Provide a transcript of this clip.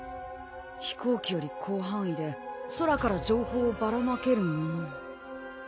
飛行機より広範囲で空から情報をばらまけるもの。